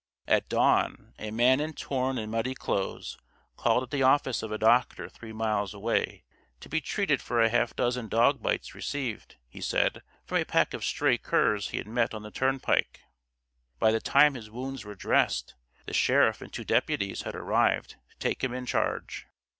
At dawn, a man in torn and muddy clothes, called at the office of a doctor three miles away to be treated for a half dozen dog bites received, he said, from a pack of stray curs he had met on the turnpike. By the time his wounds were dressed, the sheriff and two deputies had arrived to take him in charge.